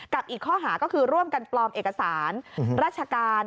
อีกข้อหาก็คือร่วมกันปลอมเอกสารราชการ